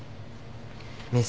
メス。